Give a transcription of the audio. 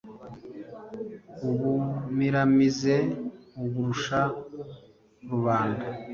Ubumiramize aburusha Rubanda,